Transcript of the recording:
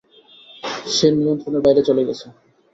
সে নিয়ন্ত্রণের বাইরে চলে গেছে।